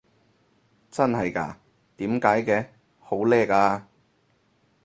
真係嘎？點解嘅？好叻啊！